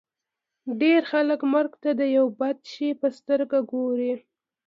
ډېر خلک مرګ ته د یوه بد شي په سترګه ګوري